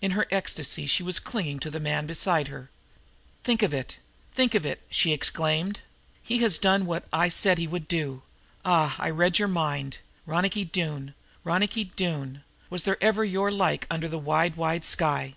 In her ecstasy she was clinging to the man beside her. "Think of it think of it!" she exclaimed. "He has done what I said he would do. Ah, I read his mind! Ronicky Doone, Ronicky Doone, was there ever your like under the wide, wide sky?